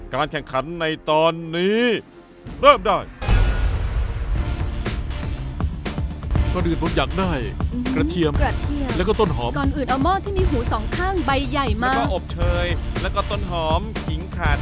แข่งขันในตอนนี้เริ่มได้